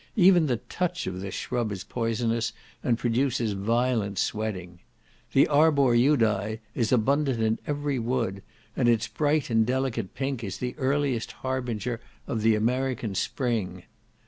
Even the touch of this shrub is poisonous, and produces violent swelling. The arbor judae is abundant in every wood, and its bright and delicate pink is the earliest harbinger of the American spring.